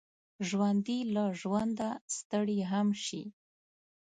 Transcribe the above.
ژوندي له ژونده ستړي هم شي